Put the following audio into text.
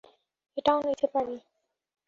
এটাও নিতে পারি?